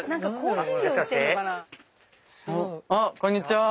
あっこんにちは。